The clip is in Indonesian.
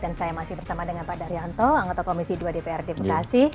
dan saya masih bersama dengan pak daryanto anggota komisi dua dpr di bekasi